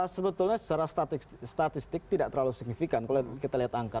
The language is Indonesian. sebetulnya secara statistik tidak terlalu signifikan kalau kita lihat angka